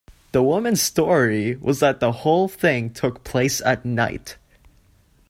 The woman's story was that the whole thing took place at night